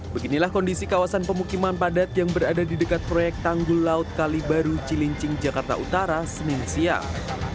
beginilah kondisi kawasan pemukiman padat yang berada di dekat proyek tanggul laut kalibaru cilincing jakarta utara senin siang